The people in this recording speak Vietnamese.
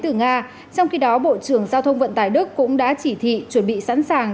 từ nga trong khi đó bộ trưởng giao thông vận tải đức cũng đã chỉ thị chuẩn bị sẵn sàng